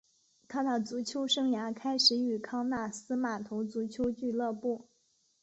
他的足球生涯开始于康纳斯码头足球俱乐部。